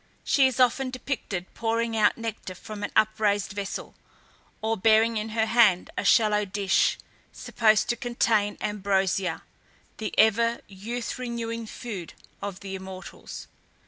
She is often depicted pouring out nectar from an upraised vessel, or bearing in her hand a shallow dish, supposed to contain ambrosia, the ever youth renewing food of the immortals.